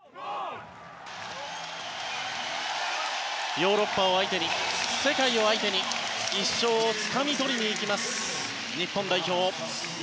ヨーロッパを相手に世界を相手に１勝をつかみ取りに行きます日本代表。